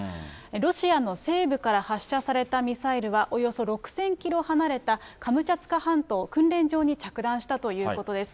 ロシアの西部から発射されたミサイルは、およそ６０００キロ離れたカムチャツカ半島訓練場に着弾したということです。